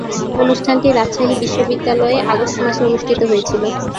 অনুষ্ঠানটি রাজশাহী বিশ্বনিদ্যালয়ে আগস্ট মাসে অনুষ্ঠিত হয়েছিলো।